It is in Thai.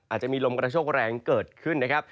อาจจะมีลมกระโชคแรงเกิดขึ้นนะครับ